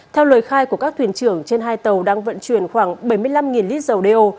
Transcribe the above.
theo lời khai của các thuyền trưởng trên hai tàu đang vận chuyển khoảng bảy mươi năm lít dầu đeo